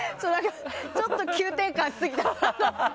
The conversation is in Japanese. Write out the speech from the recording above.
ちょっと急転換しすぎたかな。